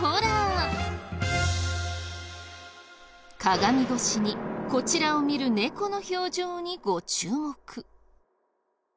鏡越しにこちらを見るネコの表情にご注目。